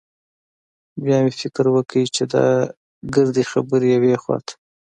بيا مې فکر وکړ چې دا ګردې خبرې يوې خوا ته.